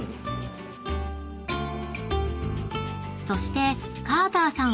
［そしてカーターさん